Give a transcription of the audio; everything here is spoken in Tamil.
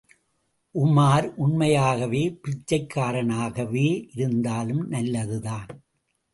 உமார் உண்மையாகவே பிச்சைக்காரனாகவே இருந்தாலும் நல்லதுதான்.